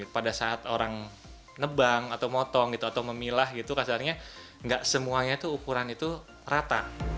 pada saat orang nebang atau motong gitu atau memilah gitu kasarnya nggak semuanya tuh ukuran itu rata